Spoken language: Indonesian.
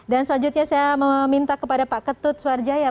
dan selanjutnya saya mau minta kepada pak ketut suarjaya